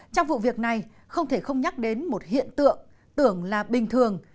trong vụ việc này không thể không nhắc đến một hiện tượng tưởng là bình thường